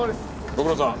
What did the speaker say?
ご苦労さん。